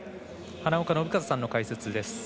花岡伸和さんの解説です。